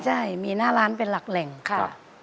ใช่มีหน้าร้านเป็นหลักแหล่งค่ะ